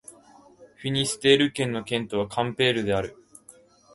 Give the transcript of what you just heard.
フィニステール県の県都はカンペールである